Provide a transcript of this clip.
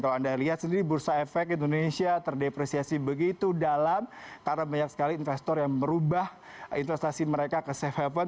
kalau anda lihat sendiri bursa efek indonesia terdepresiasi begitu dalam karena banyak sekali investor yang merubah investasi mereka ke safe haven